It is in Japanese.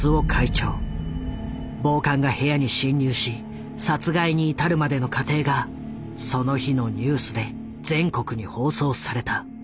暴漢が部屋に侵入し殺害に至るまでの過程がその日のニュースで全国に放送された。